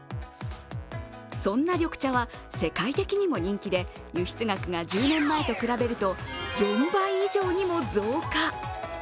そんな緑茶は世界的にも人気で輸出額が１０年前と比べると４倍以上にも増加。